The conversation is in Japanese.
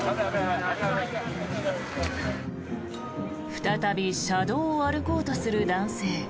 再び車道を歩こうとする男性。